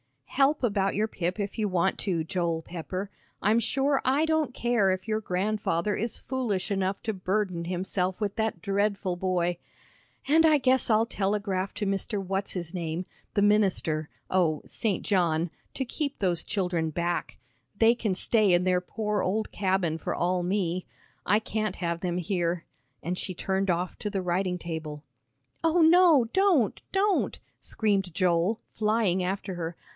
"Help about your Pip if you want to, Joel Pepper. I'm sure I don't care if your Grandfather is foolish enough to burden himself with that dreadful boy. And I guess I'll telegraph to Mr. what's his name the minister oh, St. John, to keep those children back. They can stay in their poor old cabin for all me. I can't have them here," and she turned off to the writing table. "Oh, no, don't, don't," screamed Joel, flying after her.